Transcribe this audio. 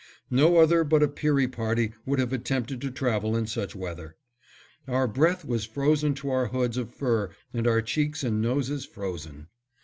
No other but a Peary party would have attempted to travel in such weather. Our breath was frozen to our hoods of fur and our cheeks and noses frozen.